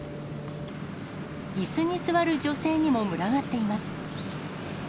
いすに座る女性にも群がっています。